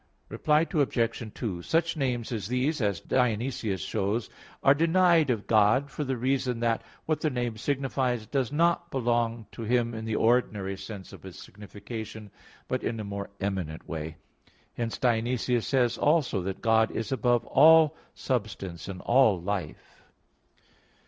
Reply Obj. 2: Such names as these, as Dionysius shows, are denied of God for the reason that what the name signifies does not belong to Him in the ordinary sense of its signification, but in a more eminent way. Hence Dionysius says also that God is above all substance and all life.